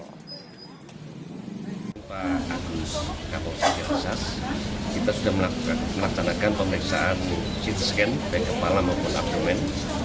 kompol agus kapolsek ciracas kita sudah melaksanakan pemeriksaan cintasken baik kepala maupun abdomen